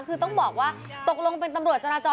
คือต้องบอกว่าตกลงเป็นตำรวจจราจร